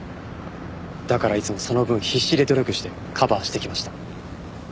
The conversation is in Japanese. だからいつもその分必死で努力してカバーしてきました。